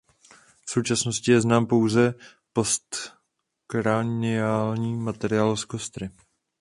V současnosti je znám pouze postkraniální materiál z kostry.